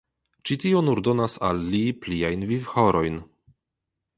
Ĉi tio nur donas al li pliajn vivhorojn.